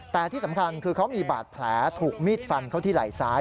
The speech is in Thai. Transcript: แต่ที่สำคัญคือเขามีบาดแผลถูกมีดฟันเข้าที่ไหล่ซ้าย